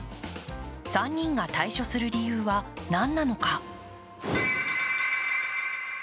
３人が退所する理由は何なのか。